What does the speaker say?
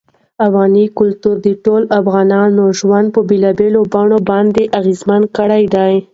افغاني کلتور د ټولو افغانانو ژوند په بېلابېلو بڼو باندې اغېزمن کړی دی.